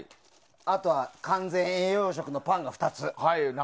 あとは完全栄養食のパンが２つ。